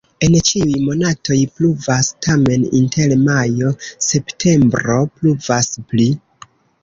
En ĉiuj monatoj pluvas, tamen inter majo-septembro pluvas pli.